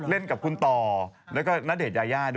เล่นกับคุณต่อแล้วก็ณเดชนยายาด้วย